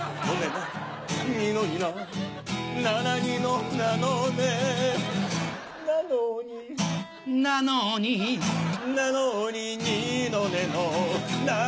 なにのになななにのなのねなのになのになのににのねのな